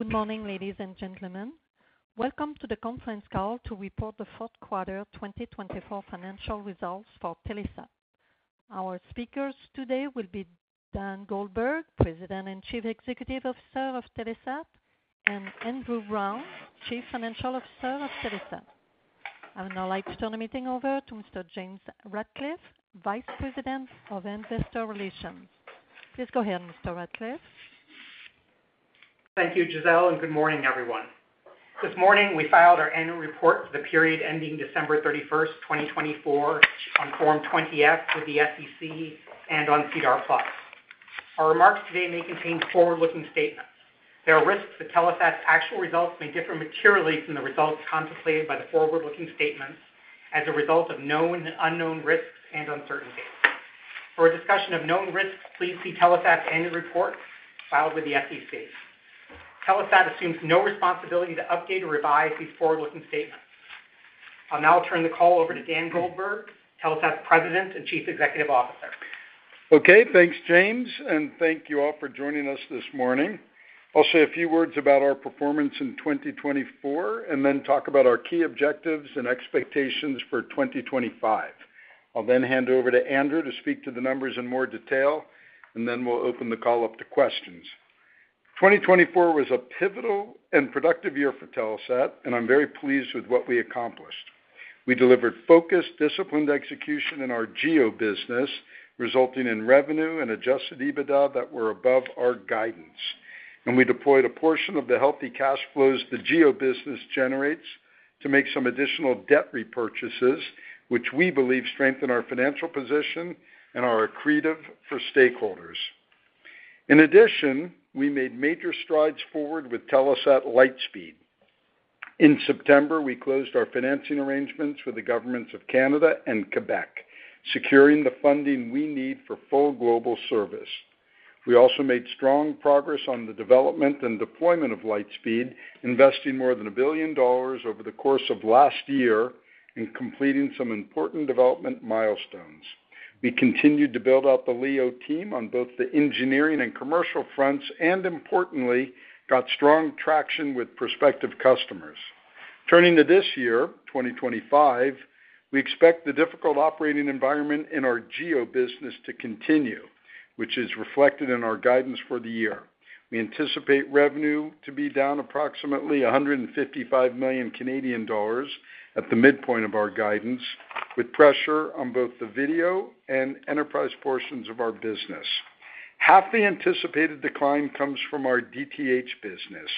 Good morning, ladies and gentlemen. Welcome to the conference call to report the Fourth Quarter 2024 financial results for Telesat. Our speakers today will be Dan Goldberg, President and Chief Executive Officer of Telesat, and Andrew Browne, Chief Financial Officer of Telesat. I would now like to turn the meeting over to Mr. James Ratcliffe, Vice President of Investor Relations. Please go ahead, Mr. Ratcliffe. Thank you, Giselle, and good morning, everyone. This morning, we filed our annual report for the period ending December 31, 2024, on Form 20-F with the SEC and on SEDAR+. Our remarks today may contain forward-looking statements. There are risks that Telesat's actual results may differ materially from the results contemplated by the forward-looking statements as a result of known and unknown risks and uncertainties. For a discussion of known risks, please see Telesat's annual report filed with the SEC. Telesat assumes no responsibility to update or revise these forward-looking statements. I'll now turn the call over to Dan Goldberg, Telesat's President and Chief Executive Officer. Okay, thanks, James, and thank you all for joining us this morning. I'll say a few words about our performance in 2024 and then talk about our key objectives and expectations for 2025. I'll then hand it over to Andrew to speak to the numbers in more detail, and then we'll open the call up to questions. 2024 was a pivotal and productive year for Telesat, and I'm very pleased with what we accomplished. We delivered focused, disciplined execution in our GEO business, resulting in revenue and Adjusted EBITDA that were above our guidance. We deployed a portion of the healthy cash flows the GEO business generates to make some additional debt repurchases, which we believe strengthen our financial position and are accretive for stakeholders. In addition, we made major strides forward with Telesat Lightspeed. In September, we closed our financing arrangements with the governments of Canada and Quebec, securing the funding we need for full global service. We also made strong progress on the development and deployment of Lightspeed, investing more than 1 billion dollars over the course of last year and completing some important development milestones. We continued to build out the LEO team on both the engineering and commercial fronts and, importantly, got strong traction with prospective customers. Turning to this year, 2025, we expect the difficult operating environment in our GEO business to continue, which is reflected in our guidance for the year. We anticipate revenue to be down approximately 155 million Canadian dollars at the midpoint of our guidance, with pressure on both the video and enterprise portions of our business. Half the anticipated decline comes from our DTH business,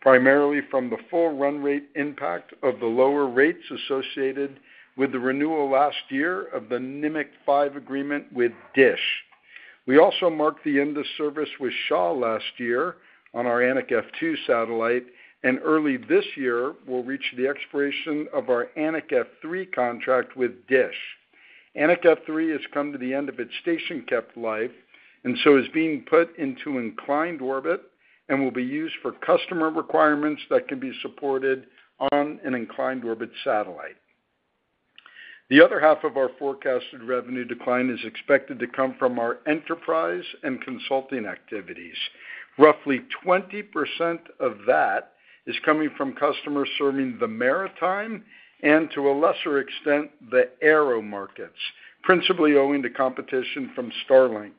primarily from the full run rate impact of the lower rates associated with the renewal last year of the Nimiq 5 agreement with DISH. We also marked the end of service with Shaw last year on our Anik F2 satellite, and early this year, we'll reach the expiration of our Anik F3 contract with DISH. Anik F3 has come to the end of its station-kept life, and so is being put into inclined orbit and will be used for customer requirements that can be supported on an inclined orbit satellite. The other half of our forecasted revenue decline is expected to come from our enterprise and consulting activities. Roughly 20% of that is coming from customers serving the maritime and, to a lesser extent, the aero markets, principally owing to competition from Starlink.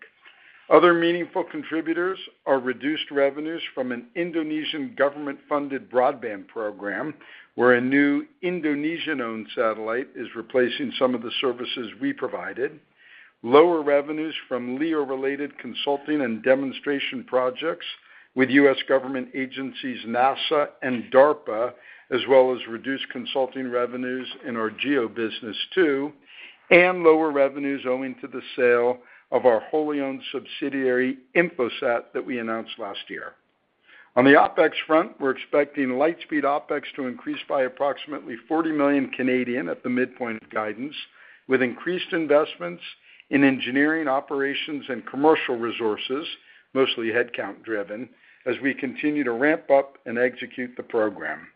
Other meaningful contributors are reduced revenues from an Indonesian government-funded broadband program, where a new Indonesian-owned satellite is replacing some of the services we provided, lower revenues from LEO related consulting and demonstration projects with U.S. government agencies NASA and DARPA, as well as reduced consulting revenues in our GEO business too, and lower revenues owing to the sale of our wholly owned subsidiary Infosat that we announced last year. On the OpEx front, we're expecting Lightspeed OpEx to increase by approximately 40 million at the midpoint of guidance, with increased investments in engineering, operations, and commercial resources, mostly headcount driven, as we continue to ramp up and execute the program.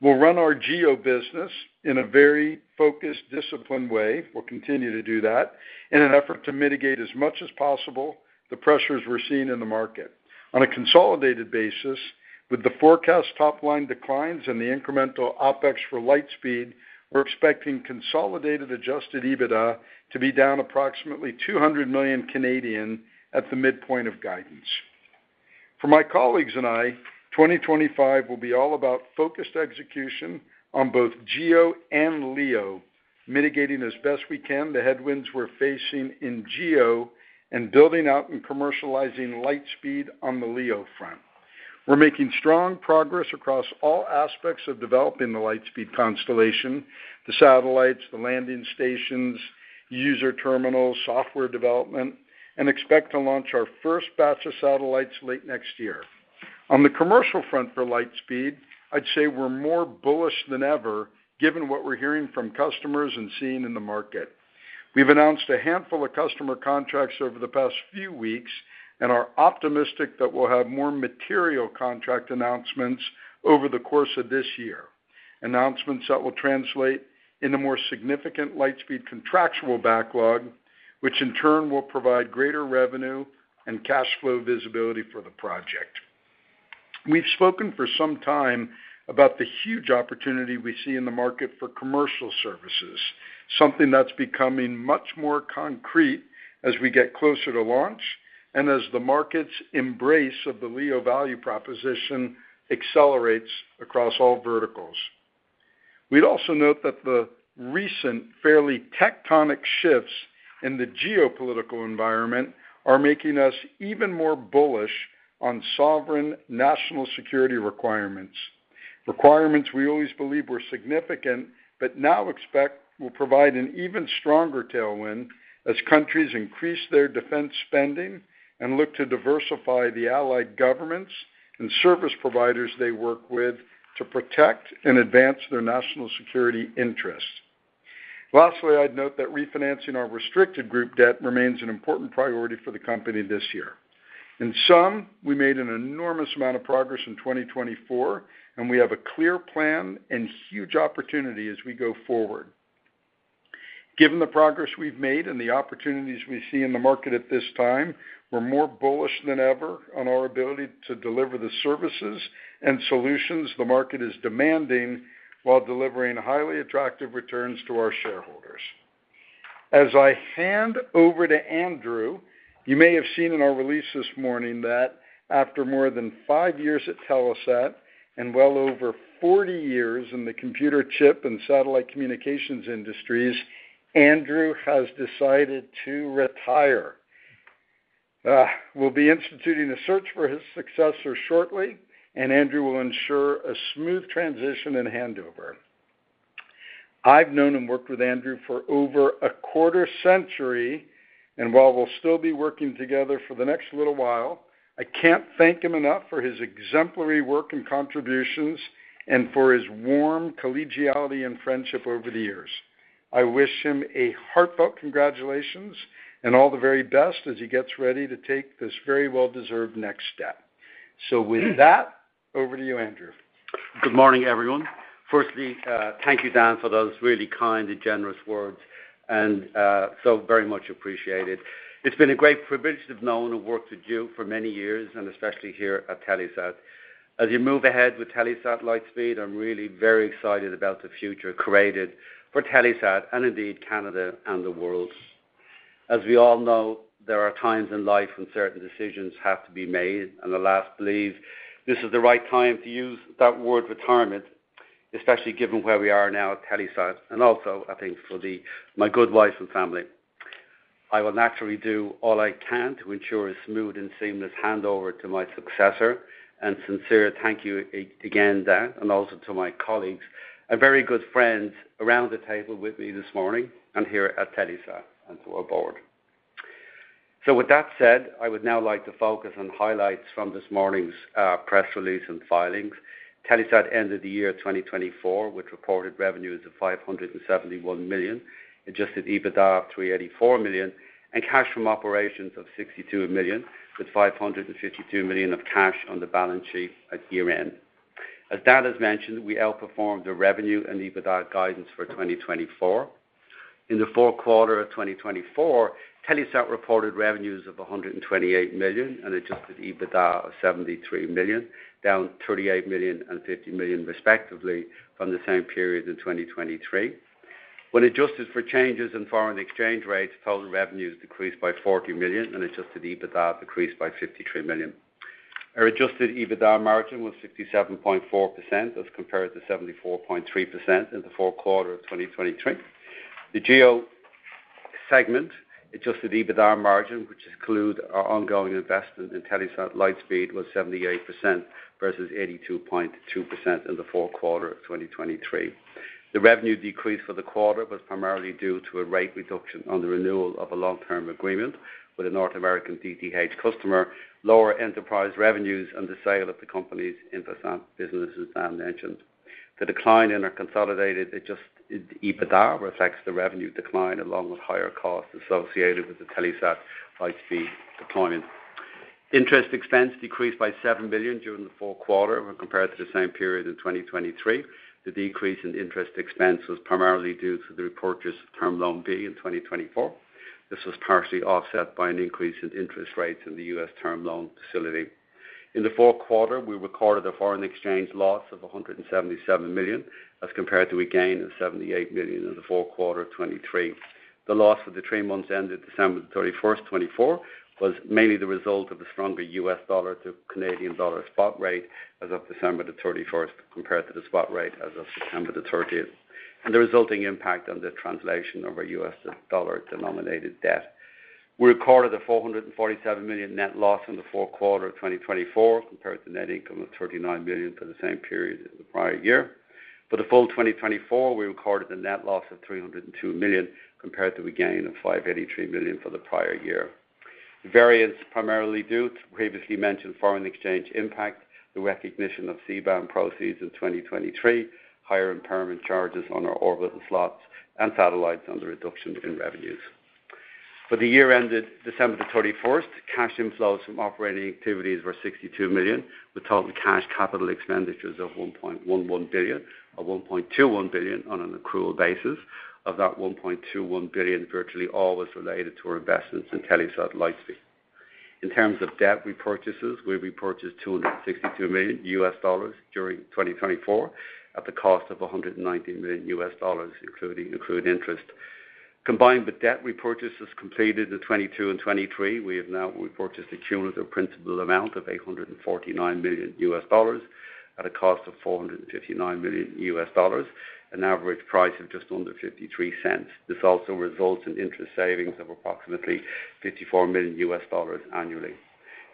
We'll run our GEO business in a very focused, disciplined way. We'll continue to do that in an effort to mitigate as much as possible the pressures we're seeing in the market. On a consolidated basis, with the forecast top line declines and the incremental OpEx for Lightspeed, we're expecting consolidated Adjusted EBITDA to be down approximately 200 million at the midpoint of guidance. For my colleagues and I, 2025 will be all about focused execution on both GEO and LEO, mitigating as best we can the headwinds we're facing in GEO and building out and commercializing Lightspeed on the LEO front. We're making strong progress across all aspects of developing the Lightspeed constellation: the satellites, the landing stations, user terminals, software development, and expect to launch our first batch of satellites late next year. On the commercial front for Lightspeed, I'd say we're more bullish than ever, given what we're hearing from customers and seeing in the market. We've announced a handful of customer contracts over the past few weeks and are optimistic that we'll have more material contract announcements over the course of this year, announcements that will translate into more significant Lightspeed contractual backlog, which in turn will provide greater revenue and cash flow visibility for the project. We've spoken for some time about the huge opportunity we see in the market for commercial services, something that's becoming much more concrete as we get closer to launch and as the market's embrace of the LEO value proposition accelerates across all verticals. We'd also note that the recent fairly tectonic shifts in the geopolitical environment are making us even more bullish on sovereign national security requirements, requirements we always believe were significant, but now expect will provide an even stronger tailwind as countries increase their defense spending and look to diversify the allied governments and service providers they work with to protect and advance their national security interests. Lastly, I'd note that refinancing our Restricted Group debt remains an important priority for the company this year. In sum, we made an enormous amount of progress in 2024, and we have a clear plan and huge opportunity as we go forward. Given the progress we've made and the opportunities we see in the market at this time, we're more bullish than ever on our ability to deliver the services and solutions the market is demanding while delivering highly attractive returns to our shareholders. As I hand over to Andrew, you may have seen in our release this morning that after more than five years at Telesat and well over 40 years in the computer chip and satellite communications industries, Andrew has decided to retire. We will be instituting a search for his successor shortly, and Andrew will ensure a smooth transition and handover. I have known and worked with Andrew for over a quarter century, and while we will still be working together for the next little while, I cannot thank him enough for his exemplary work and contributions and for his warm collegiality and friendship over the years. I wish him heartfelt congratulations and all the very best as he gets ready to take this very well-deserved next step. With that, over to you, Andrew. Good morning, everyone. Firstly, thank you, Dan, for those really kind and generous words, and so very much appreciated. It's been a great privilege to have known and worked with you for many years, and especially here at Telesat. As you move ahead with Telesat Lightspeed, I'm really very excited about the future created for Telesat and indeed Canada and the world. As we all know, there are times in life when certain decisions have to be made, and I believe this is the right time to use that word retirement, especially given where we are now at Telesat and also, I think, for my good wife and family. I will naturally do all I can to ensure a smooth and seamless handover to my successor, and sincere thank you again, Dan, and also to my colleagues and very good friends around the table with me this morning and here at Telesat and to our board. With that said, I would now like to focus on highlights from this morning's press release and filings. Telesat ended the year 2024 with reported revenues of 571 million, Adjusted EBITDA of 384 million, and cash from operations of 62 million, with 552 million of cash on the balance sheet at year-end. As Dan has mentioned, we outperformed the revenue and EBITDA guidance for 2024. In the Fourth Quarter of 2024, Telesat reported revenues of 128 million and Adjusted EBITDA of 73 million, down 38 million and 50 million, respectively, from the same period in 2023. When adjusted for changes in foreign exchange rates, total revenues decreased by $40 million, and Adjusted EBITDA decreased by $53 million. Our Adjusted EBITDA margin was 57.4% as compared to 74.3% in the Fourth Quarter of 2023. The GEO segment Adjusted EBITDA margin, which excludes our ongoing investment in Telesat Lightspeed, was 78% Vs 82.2% in the Fourth Quarter of 2023. The revenue decrease for the quarter was primarily due to a rate reduction on the renewal of a long-term agreement with a North American DTH customer, lower enterprise revenues and the sale of the company's Infosat businesses, Dan mentioned. The decline in our consolidated Adjusted EBITDA reflects the revenue decline along with higher costs associated with the Telesat Lightspeed deployment. Interest expense decreased by $7 million during the fourth quarter when compared to the same period in 2023. The decrease in interest expense was primarily due to the repurchase of Term Loan B in 2024. This was partially offset by an increase in interest rates in the U.S. term loan facility. In the fourth quarter, we recorded a foreign exchange loss of $177 million as compared to a gain of $78 million in the Fourth Quarter of 2023. The loss for the three months ended December 31, 2024, was mainly the result of a stronger US dollar to Canadian dollar spot rate as of December 31 compared to the spot rate as of September 30, and the resulting impact on the translation of our US dollar denominated debt. We recorded a $447 million net loss in the Fourth Quarter of 2024 compared to net income of $39 million for the same period in the prior year. For the full 2024, we recorded a net loss of $302 million compared to a gain of $583 million for the prior year. Variance is primarily due to the previously mentioned foreign exchange impact, the recognition of C-band proceeds in 2023, higher impairment charges on our orbiting slots and satellites, and the reduction in revenues. For the year-ended December 31, cash inflows from operating activities were 62 million, with total cash capital expenditures of 1.11 billion or 1.21 billion on an accrual basis. Of that 1.21 billion, virtually all was related to our investments in Telesat Lightspeed. In terms of debt repurchases, we repurchased $262 million during 2024 at the cost of $190 million, including accrued interest. Combined with debt repurchases completed in 2022 and 2023, we have now repurchased a cumulative principal amount of $849 million at a cost of $459 million. dollars, an average price of just under $0.53. This also results in interest savings of approximately $54 million US dollars annually.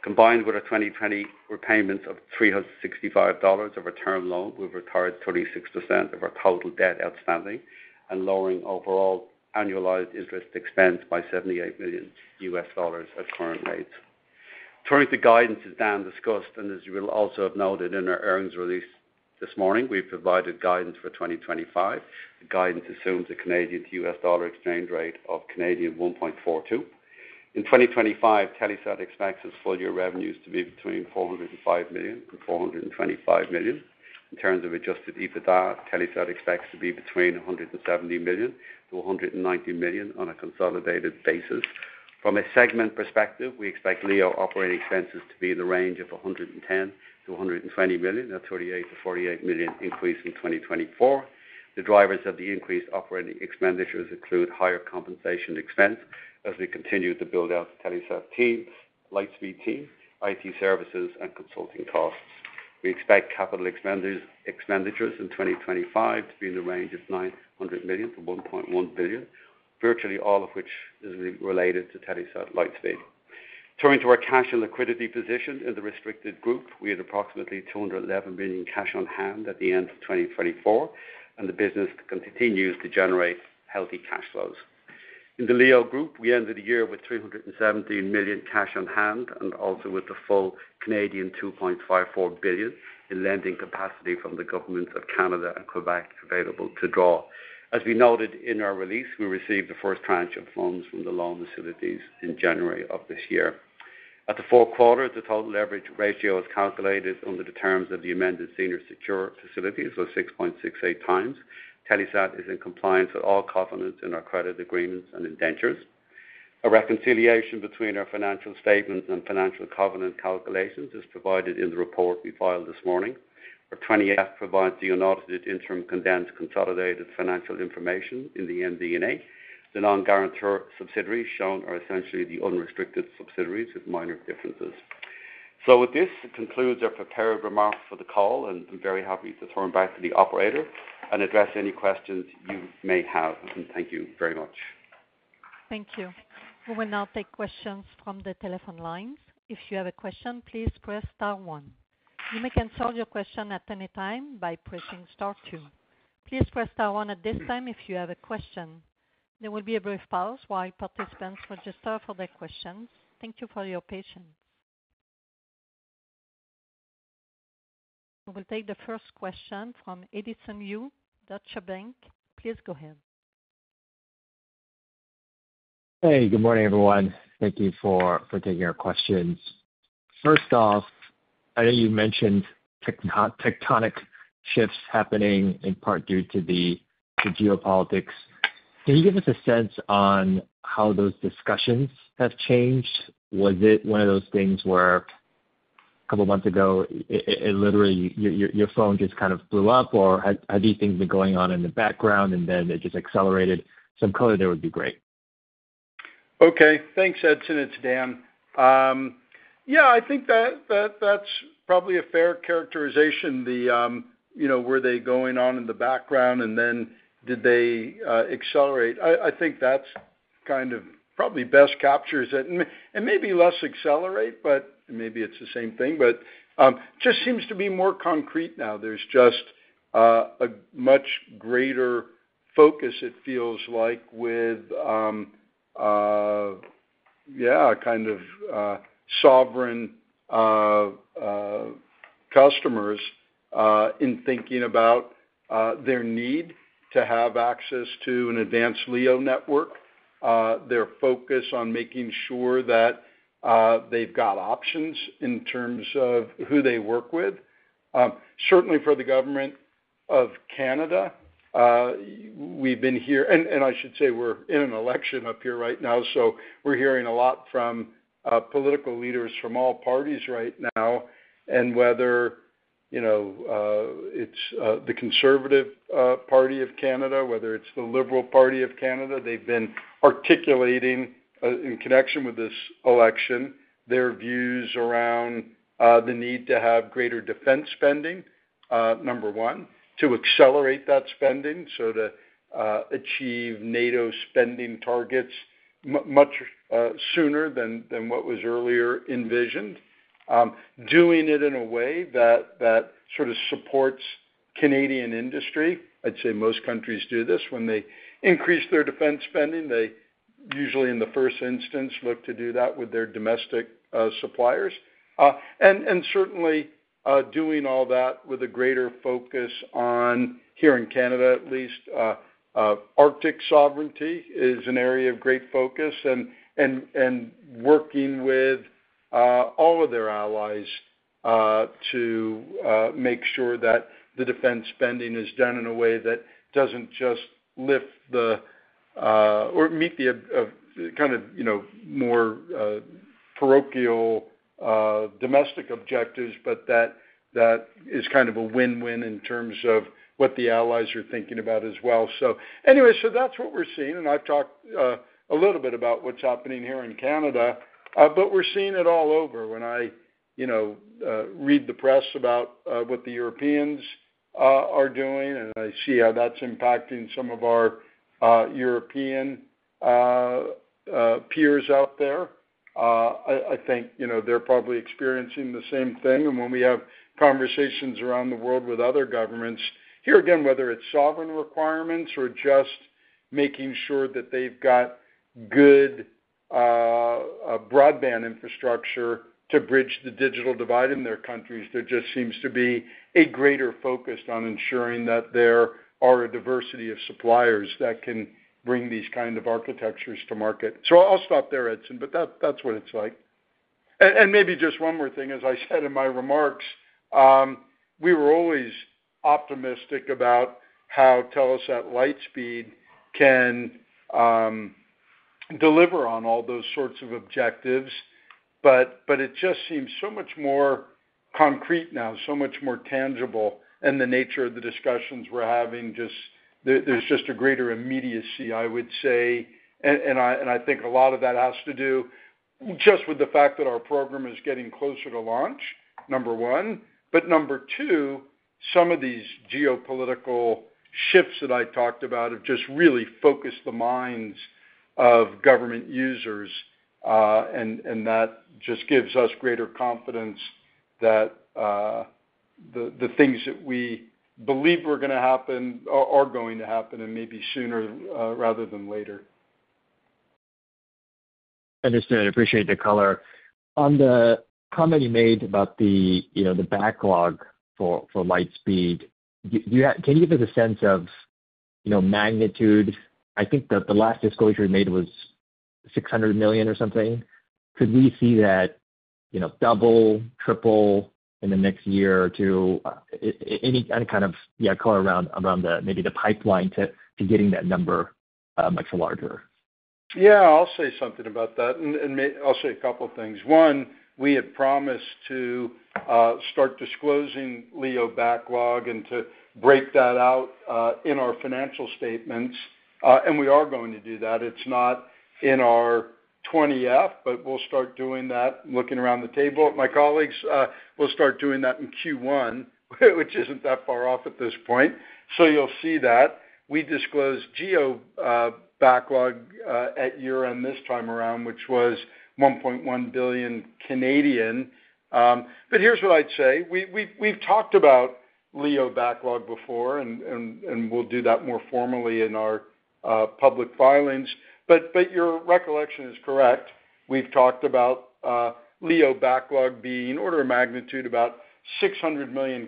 Combined with our 2020 repayments of $365 million of our term loan, we've recovered 26% of our total debt outstanding and lowering overall annualized interest expense by $78 million US dollars at current rates. Turning to guidance as Dan discussed and as you will also have noted in our earnings release this morning, we've provided guidance for 2025. The guidance assumes a Canadian to US dollar exchange rate of 1.42. In 2025, Telesat expects its full year revenues to be between 405 million and 425 million. In terms of Adjusted EBITDA, Telesat expects to be between 170 million and 190 million on a consolidated basis. From a segment perspective, we expect LEO operating expenses to be in the range of 110 million-120 million at a 38 million to 48 million increase in 2024. The drivers of the increased operating expenditures include higher compensation expense as we continue to build out the Telesat team, Lightspeed team, IT services, and consulting costs. We expect capital expenditures in 2025 to be in the range of 900 million-1.1 billion, virtually all of which is related to Telesat Lightspeed. Turning to our cash and liquidity position in the Restricted Group, we had approximately 211 million cash on hand at the end of 2024, and the business continues to generate healthy cash flows. In the LEO group, we ended the year with 317 million cash on hand and also with the full 2.54 billion in lending capacity from the governments of Canada and Quebec available to draw. As we noted in our release, we received the first tranche of funds from the loan facilities in January of this year. At the fourth quarter, the total leverage ratio is calculated under the terms of the amended senior secured facilities of 6.68 times. Telesat is in compliance with all covenants in our credit agreements and indentures. A reconciliation between our financial statements and financial covenant calculations is provided in the report we filed this morning. Our 2023. That provides the unaudited interim condensed consolidated financial information in the MD&A. The non-guarantor subsidiaries shown are essentially the unrestricted subsidiaries with minor differences. With this, it concludes our prepared remarks for the call, and I'm very happy to turn back to the operator and address any questions you may have. Thank you very much. Thank you. We will now take questions from the telephone lines. If you have a question, please press star one. You may answer your question at any time by pressing star two. Please press star one at this time if you have a question. There will be a brief pause while participants register for their questions. Thank you for your patience. We will take the first question from Edison Yu, Deutsche Bank. Please go ahead. Hey, good morning, everyone. Thank you for taking our questions. First off, I know you mentioned tectonic shifts happening in part due to the geopolitics. Can you give us a sense on how those discussions have changed? Was it one of those things where a couple of months ago, literally, your phone just kind of blew up, or have these things been going on in the background, and then it just accelerated? Some color there would be great. Okay. Thanks, Edison. It's Dan. Yeah, I think that's probably a fair characterization. You know, were they going on in the background, and then did they accelerate? I think that kind of probably best captures it. Maybe less accelerate, but maybe it's the same thing. It just seems to be more concrete now. There's just a much greater focus, it feels like, with, yeah, kind of sovereign customers in thinking about their need to have access to an advanced LEO network, their focus on making sure that they've got options in terms of who they work with. Certainly, for the Government of Canada, we've been here, and I should say we're in an election up here right now, so we're hearing a lot from political leaders from all parties right now, and whether, you know, it's the Conservative Party of Canada, whether it's the Liberal Party of Canada. They've been articulating in connection with this election their views around the need to have greater defense spending, number one, to accelerate that spending so to achieve NATO spending targets much sooner than what was earlier envisioned, doing it in a way that sort of supports Canadian industry. I'd say most countries do this when they increase their defense spending. They usually, in the first instance, look to do that with their domestic suppliers. Certainly, doing all that with a greater focus on, here in Canada at least, Arctic sovereignty is an area of great focus and working with all of their allies to make sure that the defense spending is done in a way that does not just lift the or meet the kind of, you know, more parochial domestic objectives, but that is kind of a win-win in terms of what the allies are thinking about as well. Anyway, that is what we are seeing, and I have talked a little bit about what is happening here in Canada, but we are seeing it all over. When I, you know, read the press about what the Europeans are doing and I see how that is impacting some of our European peers out there, I think, you know, they are probably experiencing the same thing. When we have conversations around the world with other governments, whether it is sovereign requirements or just making sure that they have good broadband infrastructure to bridge the digital divide in their countries, there just seems to be a greater focus on ensuring that there are a diversity of suppliers that can bring these kind of architectures to market. I will stop there, Edison, but that is what it is like. Maybe just one more thing, as I said in my remarks, we were always optimistic about how Telesat Lightspeed can deliver on all those sorts of objectives, but it just seems so much more concrete now, so much more tangible, and the nature of the discussions we are having, there is just a greater immediacy, I would say. I think a lot of that has to do just with the fact that our program is getting closer to launch, number one. Number two, some of these geopolitical shifts that I talked about have just really focused the minds of government users, and that just gives us greater confidence that the things that we believe are going to happen are going to happen and maybe sooner rather than later. Understood. Appreciate the color. On the comment you made about the, you know, the backlog for Lightspeed, can you give us a sense of, you know, magnitude? I think that the last disclosure you made was $600 million or something. Could we see that, you know, double, triple in the next year or two? Any kind of, yeah, color around maybe the pipeline to getting that number much larger? Yeah, I'll say something about that. I'll say a couple of things. One, we had promised to start disclosing LEO backlog and to break that out in our financial statements, and we are going to do that. It's not in our 20-F, but we'll start doing that, looking around the table. My colleagues, we'll start doing that in Q1, which isn't that far off at this point. You'll see that. We disclosed GEO backlog at year-end this time around, which was 1.1 billion. Here's what I'd say. We've talked about LEO backlog before, and we'll do that more formally in our public filings. Your recollection is correct. We've talked about LEO backlog being order of magnitude about 600 million.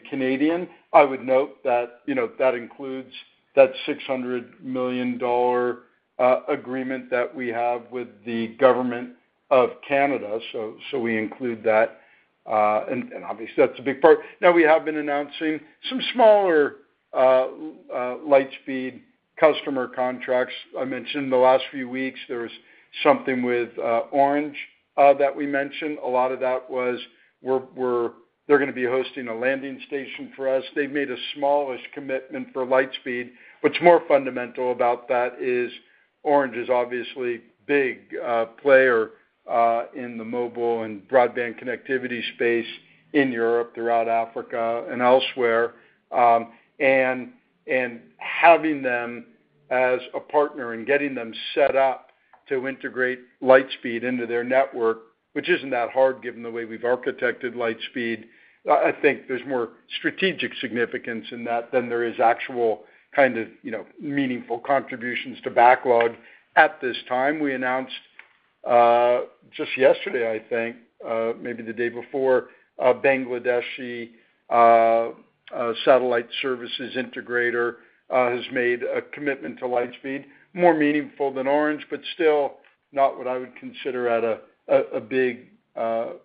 I would note that, you know, that includes 3600 million dollar agreement that we have with the government of Canada. We include that, and obviously that's a big part. Now, we have been announcing some smaller Lightspeed customer contracts. I mentioned in the last few weeks, there was something with Orange that we mentioned. A lot of that was, they're going to be hosting a landing station for us. They've made a smallish commitment for Lightspeed, but what's more fundamental about that is Orange is obviously a big player in the mobile and broadband connectivity space in Europe, throughout Africa, and elsewhere. Having them as a partner and getting them set up to integrate Lightspeed into their network, which isn't that hard given the way we've architected Lightspeed, I think there's more strategic significance in that than there is actual kind of, you know, meaningful contributions to backlog. At this time, we announced just yesterday, I think, maybe the day before, Bangladeshi satellite services integrator has made a commitment to Lightspeed, more meaningful than Orange, but still not what I would consider at a big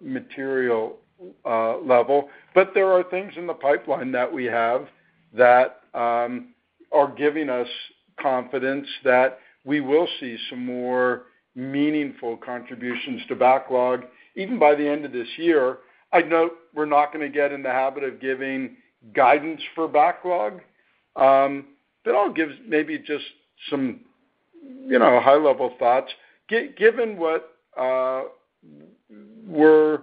material level. There are things in the pipeline that we have that are giving us confidence that we will see some more meaningful contributions to backlog even by the end of this year. I note we're not going to get in the habit of giving guidance for backlog, but I'll give maybe just some, you know, high-level thoughts. Given what we're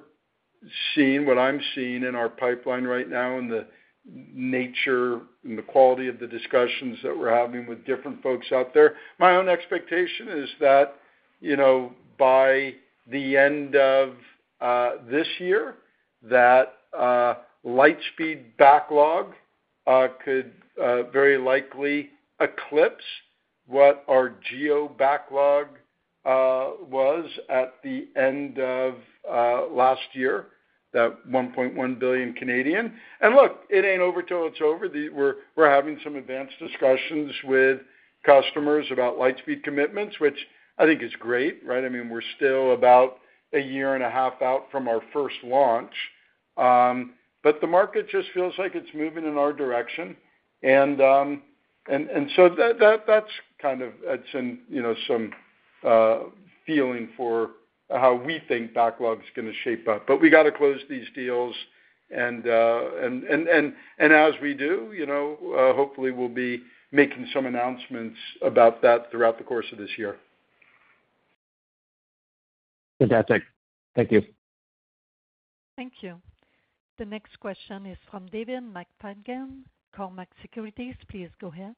seeing, what I'm seeing in our pipeline right now, and the nature and the quality of the discussions that we're having with different folks out there, my own expectation is that, you know, by the end of this year, that Lightspeed backlog could very likely eclipse what our GEO backlog was at the end of last year, that 1.1 billion. Look, it ain't over till it's over. We're having some advanced discussions with customers about Lightspeed commitments, which I think is great, right? I mean, we're still about a year and a half out from our first launch. The market just feels like it's moving in our direction. That's kind of, Edison, you know, some feeling for how we think backlog is going to shape up. We got to close these deals. As we do, you know, hopefully we'll be making some announcements about that throughout the course of this year. Fantastic. Thank you. Thank you. The next question is from David McFadgen, Cormark Securities. Please go ahead.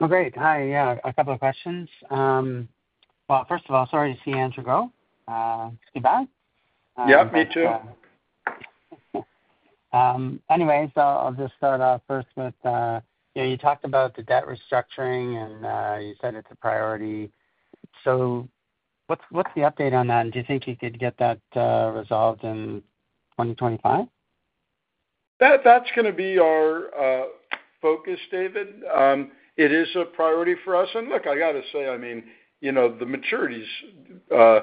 All right. Hi. Yeah, a couple of questions. First of all, sorry to see Andrew go. It's too bad. Yep, me too. Anyway, I'll just start off first with, you know, you talked about the debt restructuring and you said it's a priority. What's the update on that? Do you think you could get that resolved in 2025? That's going to be our focus, David. It is a priority for us. And look, I got to say, I mean, you know, the maturities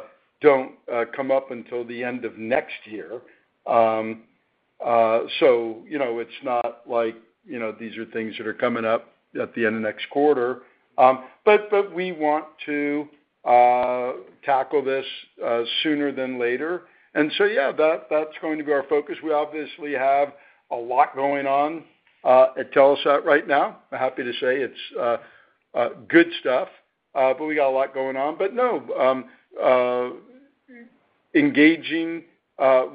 do not come up until the end of next year. You know, it is not like, you know, these are things that are coming up at the end of next quarter. We want to tackle this sooner than later. That is going to be our focus. We obviously have a lot going on at Telesat right now. I am happy to say it is good stuff, but we got a lot going on. No, engaging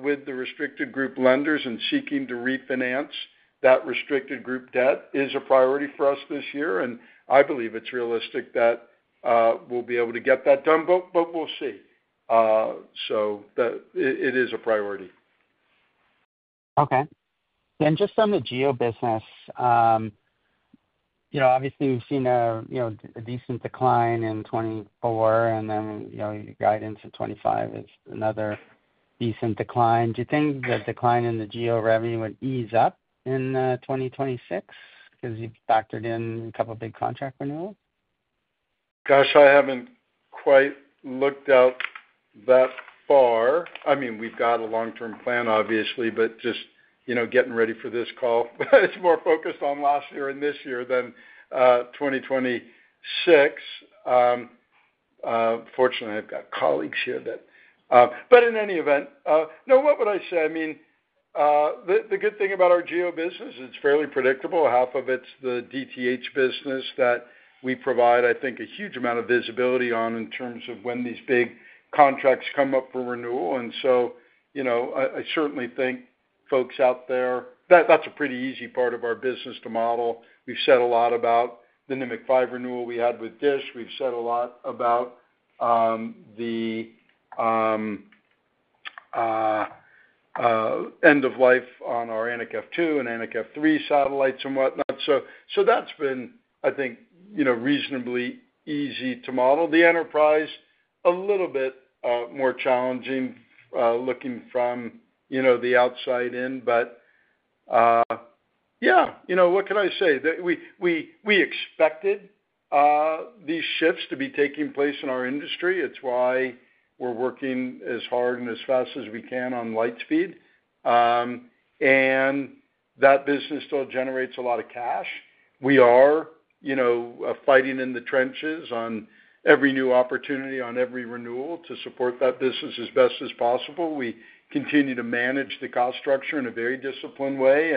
with the Restricted Group lenders and seeking to refinance that Restricted Group debt is a priority for us this year. I believe it is realistic that we will be able to get that done, but we will see. It is a priority. Okay. Just on the GEO business, you know, obviously we've seen, you know, a decent decline in 2024, and then, you know, your guidance in 2025 is another decent decline. Do you think the decline in the GEO revenue would ease up in 2026 because you've factored in a couple of big contract renewals? Gosh, I haven't quite looked out that far. I mean, we've got a long-term plan, obviously, but just, you know, getting ready for this call, it's more focused on last year and this year than 2026. Fortunately, I've got colleagues here that, but in any event, no, what would I say? I mean, the good thing about our GEO business, it's fairly predictable. Half of it's the DTH business that we provide, I think, a huge amount of visibility on in terms of when these big contracts come up for renewal. You know, I certainly think folks out there, that's a pretty easy part of our business to model. We've said a lot about the Nimiq 5 renewal we had with DISH. We've said a lot about the end of life on our Anik F2 and Anik F3 satellites and whatnot. That's been, I think, you know, reasonably easy to model. The enterprise, a little bit more challenging looking from, you know, the outside in. But yeah, you know, what can I say? We expected these shifts to be taking place in our industry. It's why we're working as hard and as fast as we can on Lightspeed. That business still generates a lot of cash. We are, you know, fighting in the trenches on every new opportunity, on every renewal to support that business as best as possible. We continue to manage the cost structure in a very disciplined way.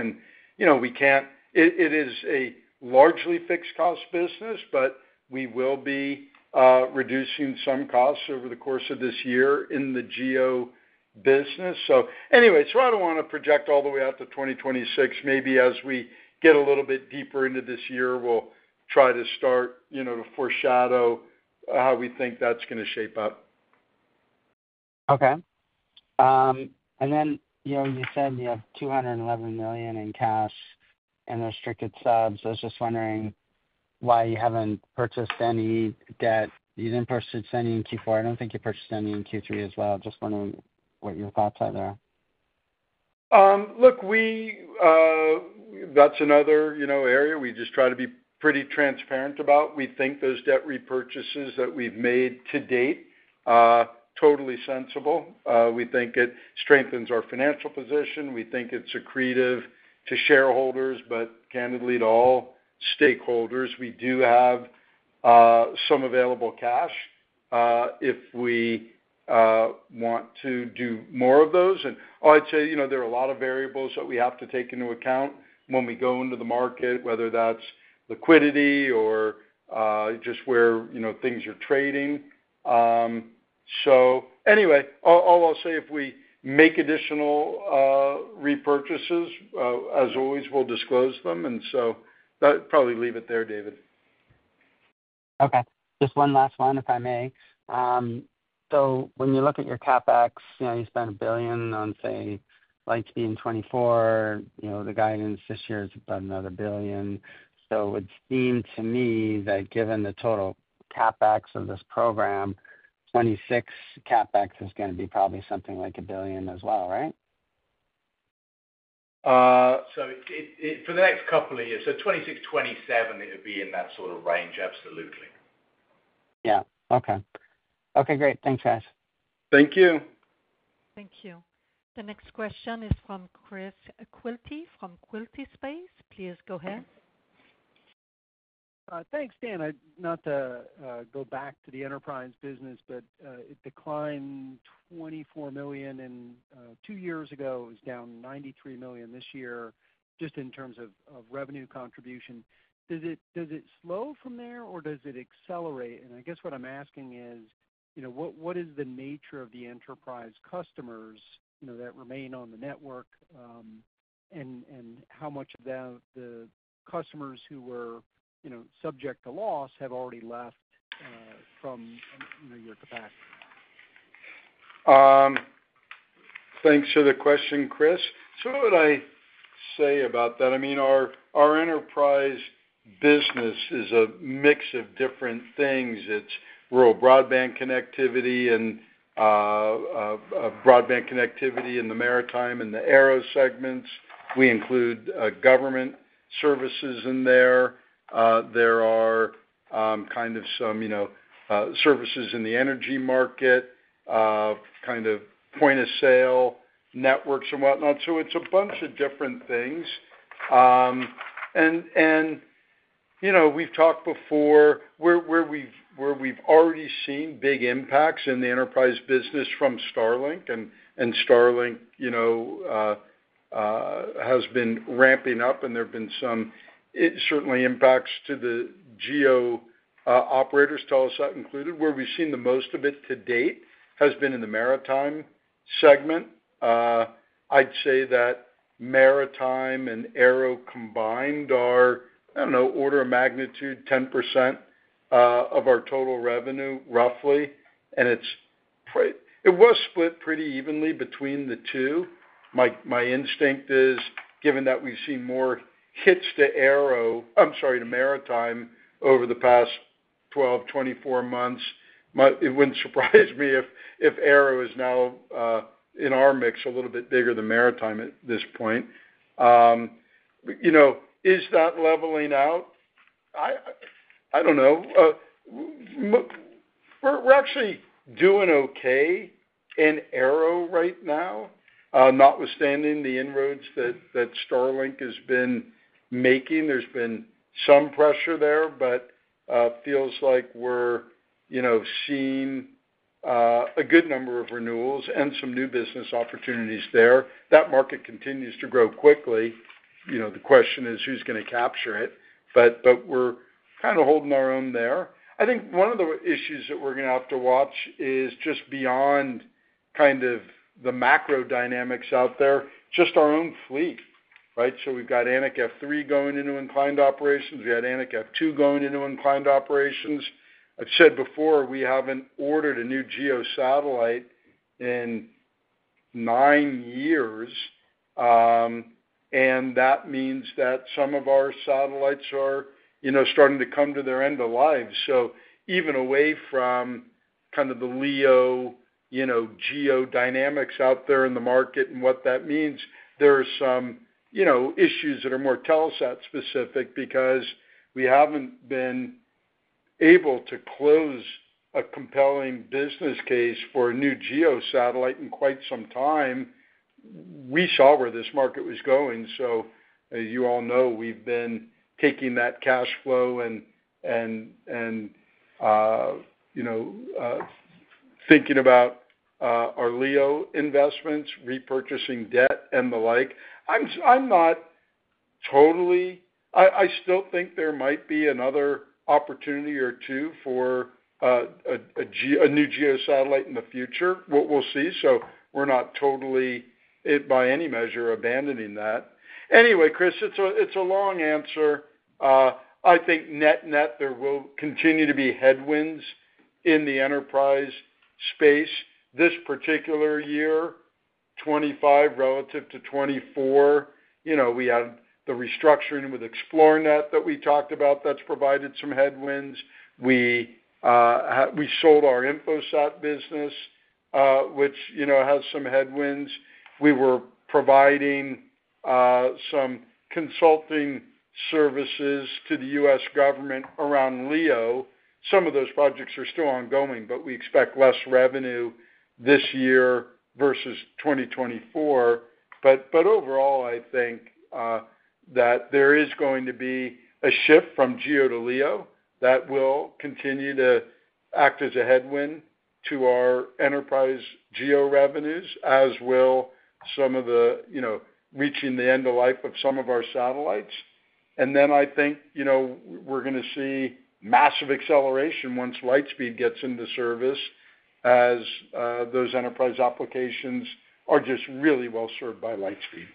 You know, we can't, it is a largely fixed cost business, but we will be reducing some costs over the course of this year in the GEO business. Anyway, I don't want to project all the way out to 2026. Maybe as we get a little bit deeper into this year, we'll try to start, you know, to foreshadow how we think that's going to shape up. Okay. You said you have 211 million in cash and restricted subs. I was just wondering why you haven't purchased any debt. You didn't purchase any in Q4. I don't think you purchased any in Q3 as well. Just wondering what your thoughts are there. Look, that's another, you know, area we just try to be pretty transparent about. We think those debt repurchases that we've made to date are totally sensible. We think it strengthens our financial position. We think it's accretive to shareholders. Candidly, to all stakeholders, we do have some available cash if we want to do more of those. I'd say, you know, there are a lot of variables that we have to take into account when we go into the market, whether that's liquidity or just where, you know, things are trading. Anyway, all I'll say, if we make additional repurchases, as always, we'll disclose them. I'll probably leave it there, David. Okay. Just one last one, if I may. When you look at your CapEx, you know, you spent 1 billion on, say, Lightspeed in 2024. You know, the guidance this year is about another 1 billion. It seemed to me that given the total CapEx of this program, 2026 CapEx is going to be probably something like 1 billion as well, right? For the next couple of years, so 2026, 2027, it would be in that sort of range, absolutely. Yeah. Okay. Okay, great. Thanks, guys. Thank you. Thank you. The next question is from Chris Quilty from Quilty Space. Please go ahead. Thanks, Dan. Not to go back to the enterprise business, but it declined 24 million two years ago. It was down 93 million this year just in terms of revenue contribution. Does it slow from there or does it accelerate? I guess what I'm asking is, you know, what is the nature of the enterprise customers, you know, that remain on the network and how much of the customers who were, you know, subject to loss have already left from, you know, your capacity? Thanks for the question, Chris. What would I say about that? I mean, our enterprise business is a mix of different things. It's rural broadband connectivity and broadband connectivity in the maritime and the aero segments. We include government services in there. There are kind of some, you know, services in the energy market, kind of point of sale networks and whatnot. It's a bunch of different things. You know, we've talked before where we've already seen big impacts in the enterprise business from Starlink. Starlink, you know, has been ramping up, and there have been some certainly impacts to the GEO operators, Telesat included, where we've seen the most of it to date has been in the maritime segment. I'd say that maritime and aero combined are, I don't know, order of magnitude 10% of our total revenue, roughly. It was split pretty evenly between the two. My instinct is, given that we've seen more hits to maritime over the past 12-24 months, it wouldn't surprise me if aero is now, in our mix, a little bit bigger than maritime at this point. You know, is that leveling out? I don't know. We're actually doing okay in aero right now, notwithstanding the inroads that Starlink has been making. There's been some pressure there, but it feels like we're, you know, seeing a good number of renewals and some new business opportunities there. That market continues to grow quickly. You know, the question is who's going to capture it. We're kind of holding our own there. I think one of the issues that we're going to have to watch is just beyond kind of the macro dynamics out there, just our own fleet, right? We have got Anik F3 going into inclined operations. We had Anik F2 going into inclined operations. I have said before, we have not ordered a new GEO satellite in nine years. That means that some of our satellites are, you know, starting to come to their end of life. Even away from kind of the LEO, you know, GEO dynamics out there in the market and what that means, there are some, you know, issues that are more Telesat specific because we have not been able to close a compelling business case for a new GEO satellite in quite some time. We saw where this market was going. As you all know, we've been taking that cash flow and, you know, thinking about our LEO investments, repurchasing debt and the like. I'm not totally, I still think there might be another opportunity or two for a new GEO satellite in the future. We'll see. We're not totally, by any measure, abandoning that. Anyway, Chris, it's a long answer. I think net net, there will continue to be headwinds in the enterprise space. This particular year, 2025 relative to 2024, you know, we had the restructuring with Xplornet that we talked about that's provided some headwinds. We sold our Infosat business, which, you know, has some headwinds. We were providing some consulting services to the U.S. government around LEO. Some of those projects are still ongoing, but we expect less revenue this year versus 2024. Overall, I think that there is going to be a shift from GEO to LEO that will continue to act as a headwind to our enterprise GEO revenues, as will some of the, you know, reaching the end of life of some of our satellites. I think, you know, we're going to see massive acceleration once Lightspeed gets into service as those enterprise applications are just really well served by Lightspeed.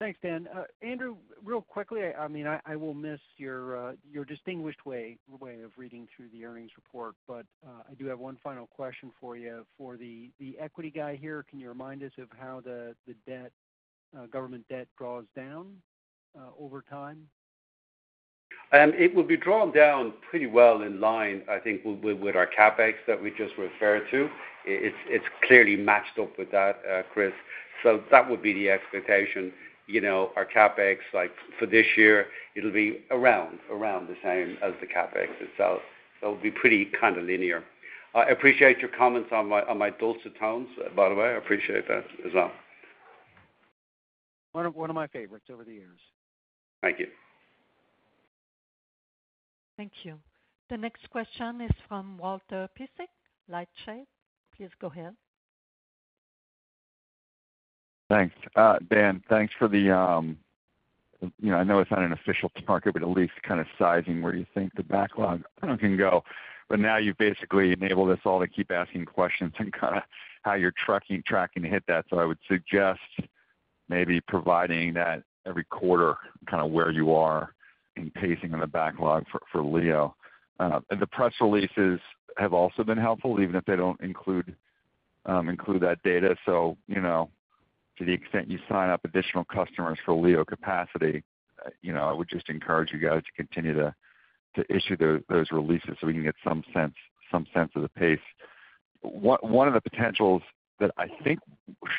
Thanks, Dan. Andrew, real quickly, I mean, I will miss your distinguished way of reading through the earnings report, but I do have one final question for you. For the equity guy here, can you remind us of how the government debt draws down over time? It will be drawn down pretty well in line, I think, with our CapEx that we just referred to. It is clearly matched up with that, Chris. That would be the expectation. You know, our CapEx, like for this year, it will be around the same as the CapEx itself. It will be pretty kind of linear. I appreciate your comments on my Dulcitones, by the way. I appreciate that as well. One of my favorites over the years. Thank you. Thank you. The next question is from Walter Piecyk, LightShed. Please go ahead. Thanks. Dan, thanks for the, you know, I know it's not an official target, but at least kind of sizing where you think the backlog can go. Now you've basically enabled us all to keep asking questions and kind of how you're tracking to hit that. I would suggest maybe providing that every quarter, kind of where you are in pacing on the backlog for LEO. The press releases have also been helpful, even if they don't include that data. You know, to the extent you sign up additional customers for LEO capacity, I would just encourage you guys to continue to issue those releases so we can get some sense of the pace. One of the potentials that I think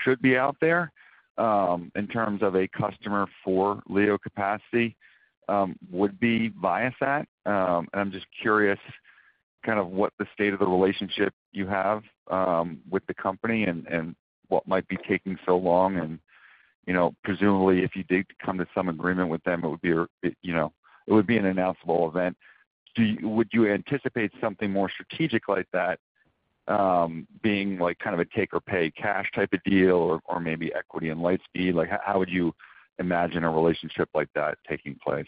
should be out there in terms of a customer for LEO capacity would be Viasat. I'm just curious kind of what the state of the relationship you have with the company and what might be taking so long. You know, presumably if you did come to some agreement with them, it would be, you know, it would be an announceable event. Would you anticipate something more strategic like that being like kind of a take or pay cash type of deal or maybe equity in Lightspeed? Like how would you imagine a relationship like that taking place?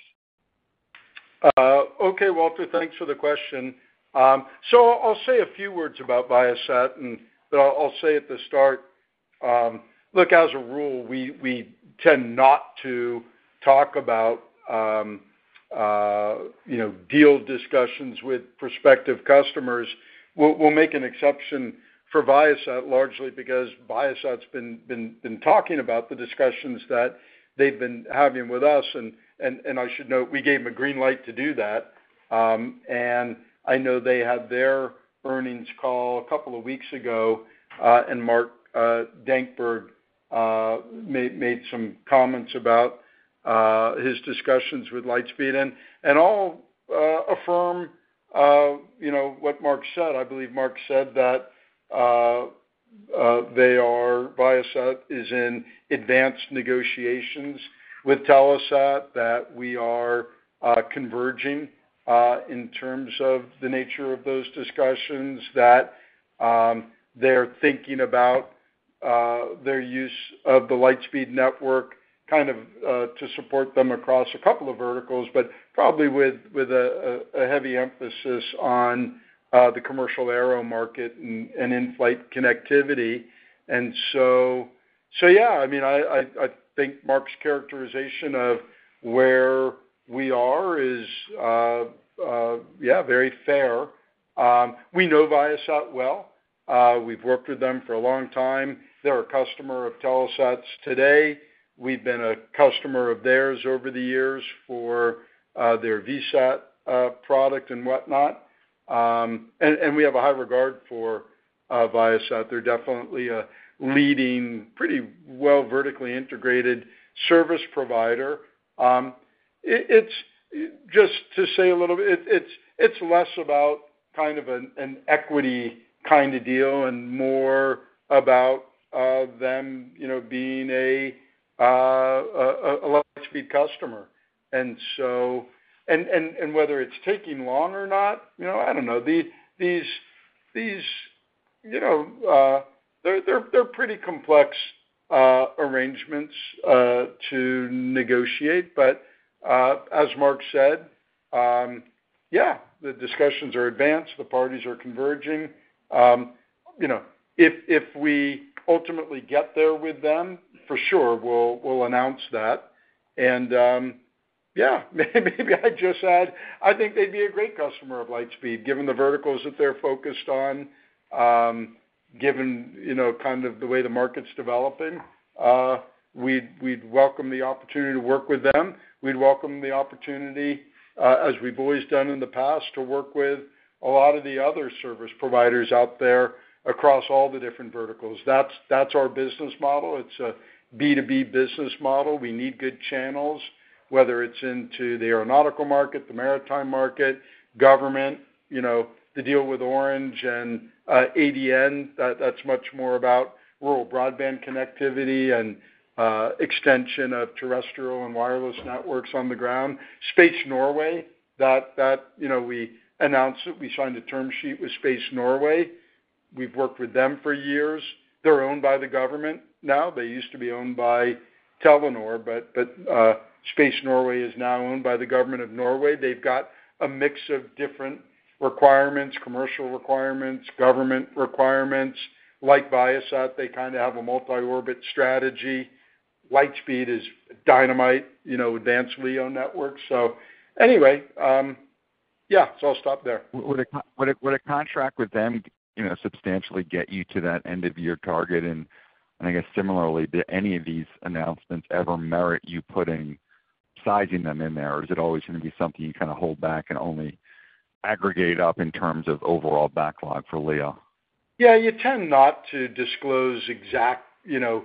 Okay, Walter, thanks for the question. I'll say a few words about Viasat, but I'll say at the start, look, as a rule, we tend not to talk about, you know, deal discussions with prospective customers. We'll make an exception for Viasat largely because Viasat's been talking about the discussions that they've been having with us. I should note we gave them a green light to do that. I know they had their earnings call a couple of weeks ago, and Mark Dankberg made some comments about his discussions with Lightspeed. I'll affirm, you know, what Mark said. I believe Mark said that Viasat is in advanced negotiations with Telesat, that we are converging in terms of the nature of those discussions, that they're thinking about their use of the Lightspeed network kind of to support them across a couple of verticals, but probably with a heavy emphasis on the commercial aero market and in-flight connectivity. Yeah, I mean, I think Mark's characterization of where we are is, yeah, very fair. We know Viasat well. We've worked with them for a long time. They're a customer of Telesat's today. We've been a customer of theirs over the years for their VSAT product and whatnot. We have a high regard for Viasat. They're definitely a leading, pretty well vertically integrated service provider. It's just to say a little bit, it's less about kind of an equity kind of deal and more about them, you know, being a Lightspeed customer. And so, and whether it's taking long or not, you know, I don't know. These, you know, they're pretty complex arrangements to negotiate. But as Mark said, yeah, the discussions are advanced. The parties are converging. You know, if we ultimately get there with them, for sure, we'll announce that. And yeah, maybe I just add, I think they'd be a great customer of Lightspeed given the verticals that they're focused on, given, you know, kind of the way the market's developing. We'd welcome the opportunity to work with them. We'd welcome the opportunity, as we've always done in the past, to work with a lot of the other service providers out there across all the different verticals. That's our business model. It's a B2B business model. We need good channels, whether it's into the aeronautical market, the maritime market, government, you know, the deal with Orange and ADN. That's much more about rural broadband connectivity and extension of terrestrial and wireless networks on the ground. Space Norway, that, you know, we announced that we signed a term sheet with Space Norway. We've worked with them for years. They're owned by the government now. They used to be owned by Telenor, but Space Norway is now owned by the government of Norway. They've got a mix of different requirements, commercial requirements, government requirements. Like Viasat, they kind of have a multi-orbit strategy. Lightspeed is dynamite, you know, advanced LEO network. Anyway, yeah, I'll stop there. Would a contract with them, you know, substantially get you to that end of year target? I guess similarly, do any of these announcements ever merit you putting sizing them in there? Or is it always going to be something you kind of hold back and only aggregate up in terms of overall backlog for LEO? Yeah, you tend not to disclose exact, you know,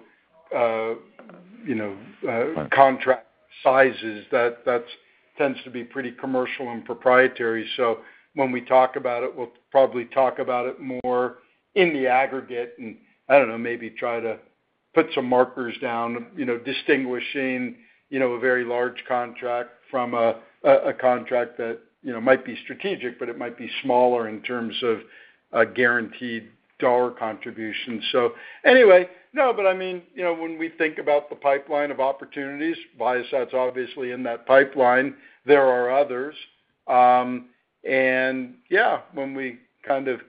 contract sizes. That tends to be pretty commercial and proprietary. When we talk about it, we'll probably talk about it more in the aggregate and, I don't know, maybe try to put some markers down, you know, distinguishing, you know, a very large contract from a contract that, you know, might be strategic, but it might be smaller in terms of guaranteed dollar contributions. Anyway, no, but I mean, you know, when we think about the pipeline of opportunities, Viasat's obviously in that pipeline. There are others. Yeah, when we kind of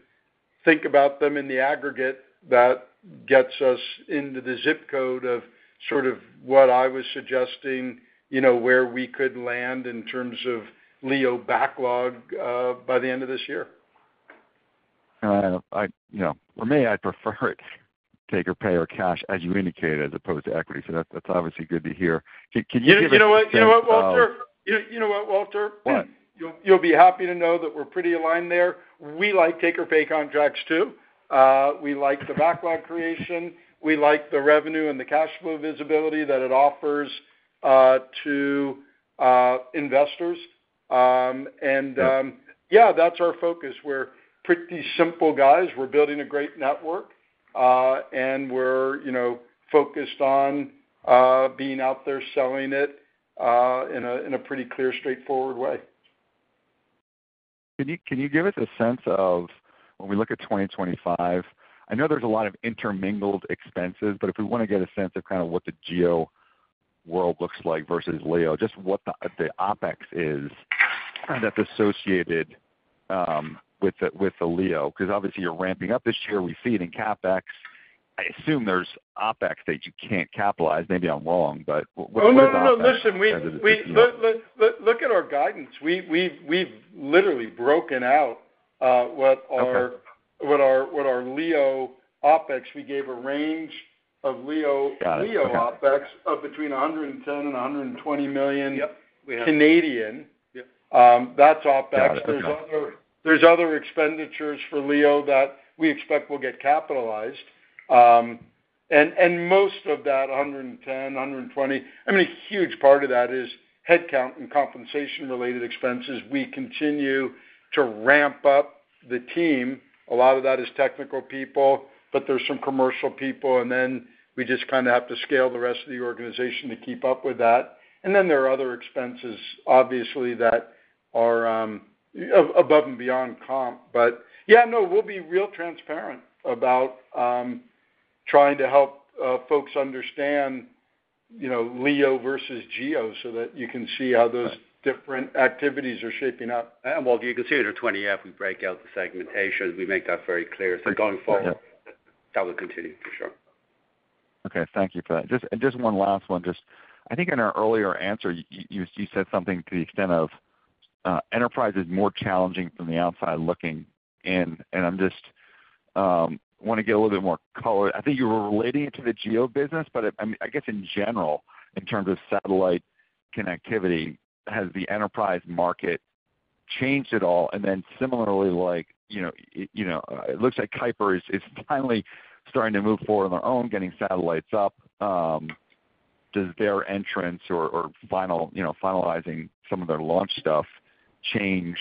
think about them in the aggregate, that gets us into the zip code of sort of what I was suggesting, you know, where we could land in terms of LEO backlog by the end of this year. You know, for me, I prefer it take or pay or cash, as you indicated, as opposed to equity. That's obviously good to hear. Can you give us? You know what, Walter? What? You'll be happy to know that we're pretty aligned there. We like take or pay contracts too. We like the backlog creation. We like the revenue and the cash flow visibility that it offers to investors. Yeah, that's our focus. We're pretty simple guys. We're building a great network. We're, you know, focused on being out there selling it in a pretty clear, straightforward way. Can you give us a sense of, when we look at 2025, I know there's a lot of intermingled expenses, but if we want to get a sense of kind of what the GEO world looks like versus LEO, just what the OpEx is that's associated with the LEO, because obviously you're ramping up this year. We see it in CapEx. I assume there's OpEx that you can't capitalize. Maybe I'm wrong, but what's the design? No, no, no. Listen, look at our guidance. We've literally broken out what our LEO OpEx, we gave a range of LEO OpEx of between 110 million and 120 million. That's OpEx. There are other expenditures for LEO that we expect will get capitalized. Most of that 110 million-120 million, I mean, a huge part of that is headcount and compensation related expenses. We continue to ramp up the team. A lot of that is technical people, but there are some commercial people. We just kind of have to scale the rest of the organization to keep up with that. There are other expenses, obviously, that are above and beyond comp. Yeah, no, we'll be real transparent about trying to help folks understand, you know, LEO versus GEO so that you can see how those different activities are shaping up. Walter, you can see it in 20-F, we break out the segmentation. We make that very clear. Going forward, that will continue for sure. Okay, thank you for that. Just one last one. I think in our earlier answer, you said something to the extent of enterprise is more challenging from the outside looking in. I just want to get a little bit more color. I think you were relating it to the GEO business, but I guess in general, in terms of satellite connectivity, has the enterprise market changed at all? Similarly, like, you know, it looks like Kuiper is finally starting to move forward on their own, getting satellites up. Does their entrance or finalizing some of their launch stuff change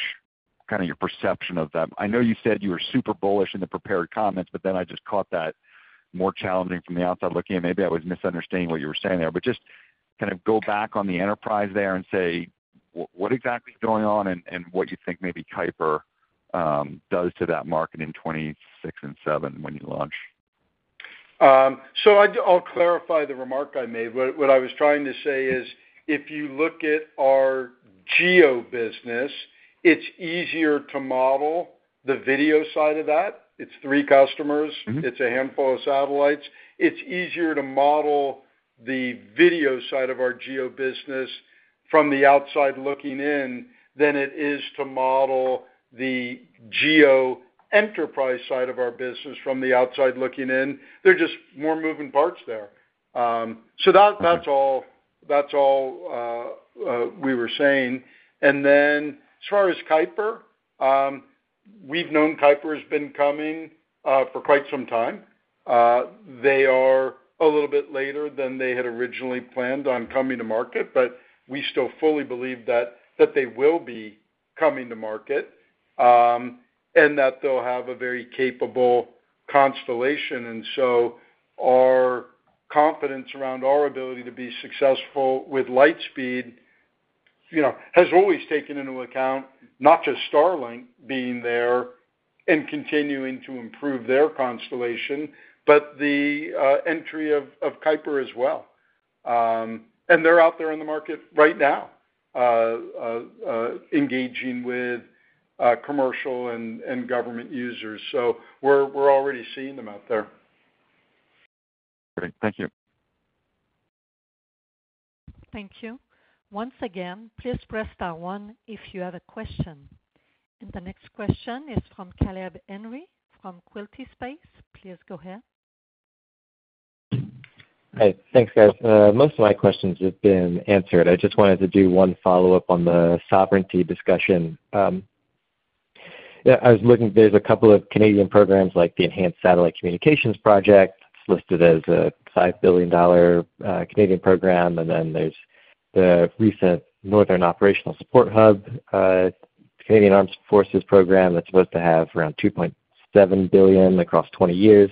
kind of your perception of them? I know you said you were super bullish in the prepared comments, but then I just caught that more challenging from the outside looking. Maybe I was misunderstanding what you were saying there. Just kind of go back on the enterprise there and say, what exactly is going on and what you think maybe Kuiper does to that market in 2026 and 2027 when you launch? I'll clarify the remark I made. What I was trying to say is if you look at our GEO business, it's easier to model the video side of that. It's three customers. It's a handful of satellites. It's easier to model the video side of our GEO business from the outside looking in than it is to model the GEO enterprise side of our business from the outside looking in. There are just more moving parts there. That's all we were saying. As far as Kuiper, we've known Kuiper has been coming for quite some time. They are a little bit later than they had originally planned on coming to market, but we still fully believe that they will be coming to market and that they'll have a very capable constellation. Our confidence around our ability to be successful with Lightspeed, you know, has always taken into account not just Starlink being there and continuing to improve their constellation, but the entry of Kuiper as well. They are out there in the market right now, engaging with commercial and government users. We are already seeing them out there. Perfect. Thank you. Thank you. Once again, please press star one if you have a question. The next question is from Caleb Henry from Quilty Space. Please go ahead. Hey, thanks, guys. Most of my questions have been answered. I just wanted to do one follow-up on the sovereignty discussion. I was looking, there's a couple of Canadian programs like the Enhanced Satellite Communication Project. It's listed as a 5 billion Canadian dollars program. And then there's the recent Northern Operational Support Hub, Canadian Armed Forces program that's supposed to have around 2.7 billion across 20 years.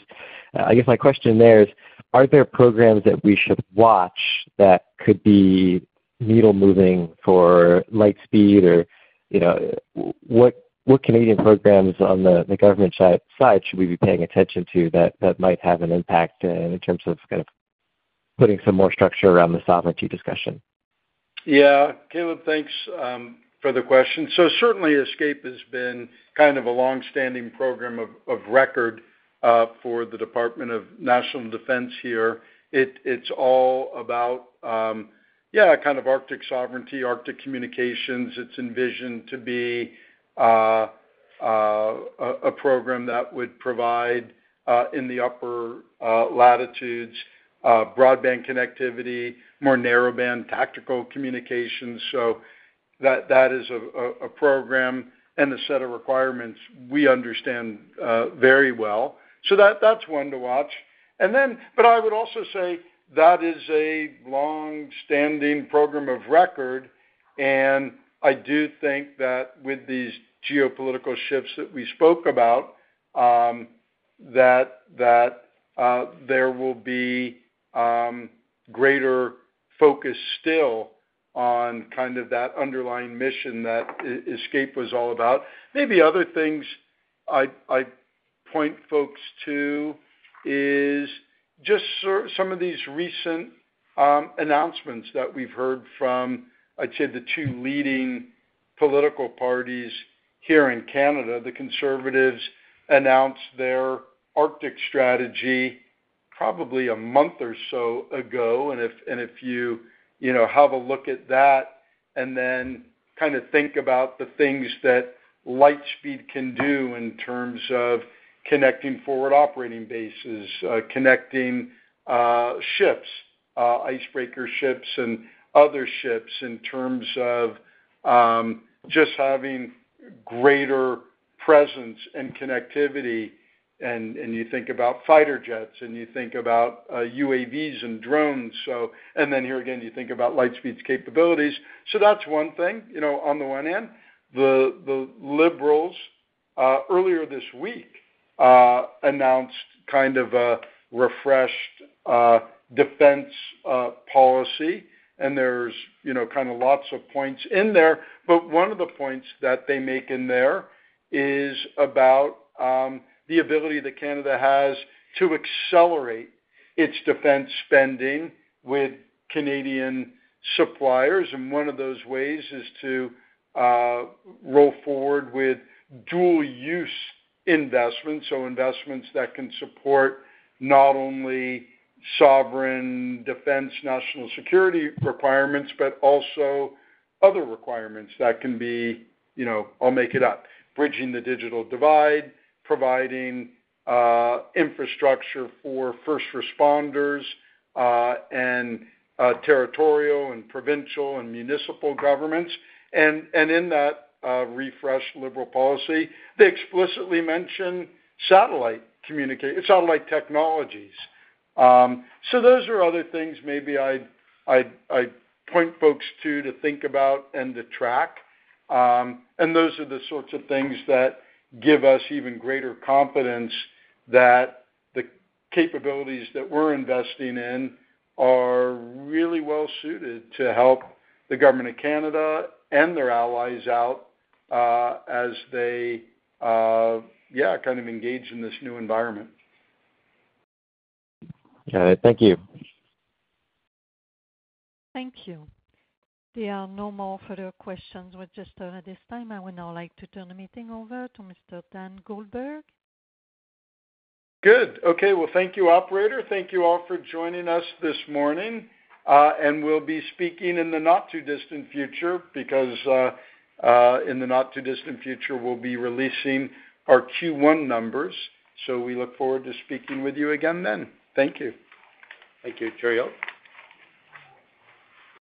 I guess my question there is, are there programs that we should watch that could be needle moving for Lightspeed or, you know, what Canadian programs on the government side should we be paying attention to that might have an impact in terms of kind of putting some more structure around the sovereignty discussion? Yeah, Caleb, thanks for the question. Certainly ESCP has been kind of a long-standing program of record for the Department of National Defence here. It's all about, yeah, kind of Arctic sovereignty, Arctic communications. It's envisioned to be a program that would provide in the upper latitudes broadband connectivity, more narrowband tactical communications. That is a program and a set of requirements we understand very well. That's one to watch. I would also say that is a long-standing program of record. I do think that with these geopolitical shifts that we spoke about, there will be greater focus still on kind of that underlying mission that ESCP was all about. Maybe other things I point folks to is just some of these recent announcements that we've heard from, I'd say, the two leading political parties here in Canada. The Conservatives announced their Arctic strategy probably a month or so ago. If you, you know, have a look at that and then kind of think about the things that Lightspeed can do in terms of connecting forward operating bases, connecting ships, icebreaker ships and other ships in terms of just having greater presence and connectivity. You think about fighter jets and you think about UAVs and drones. Here again, you think about Lightspeed's capabilities. That is one thing, you know, on the one hand. The Liberals earlier this week announced kind of a refreshed defense policy. There is, you know, kind of lots of points in there. One of the points that they make in there is about the ability that Canada has to accelerate its defense spending with Canadian suppliers. One of those ways is to roll forward with dual-use investments, so investments that can support not only sovereign defense national security requirements, but also other requirements that can be, you know, I'll make it up, bridging the digital divide, providing infrastructure for first responders and territorial and provincial and municipal governments. In that refreshed Liberal policy, they explicitly mention satellite communication, satellite technologies. Those are other things maybe I'd point folks to, to think about and to track. Those are the sorts of things that give us even greater confidence that the capabilities that we're investing in are really well suited to help the government of Canada and their allies out as they, yeah, kind of engage in this new environment. Got it. Thank you. Thank you. There are no further questions at this time. I would now like to turn the meeting over to Mr. Dan Goldberg. Good. Okay. Thank you, operator. Thank you all for joining us this morning. We will be speaking in the not too distant future because in the not too distant future, we will be releasing our Q1 numbers. We look forward to speaking with you again then. Thank you. Thank you, all.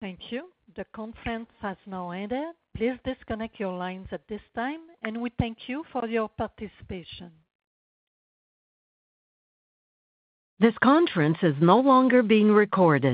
Thank you. The conference has now ended. Please disconnect your lines at this time. We thank you for your participation. This conference is no longer being recorded.